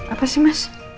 apa sih mas